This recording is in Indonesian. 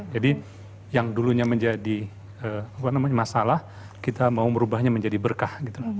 jadi yang dulunya menjadi masalah kita mau merubahnya menjadi berkah